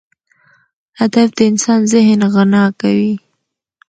ادب د انسان ذهن غنا کوي.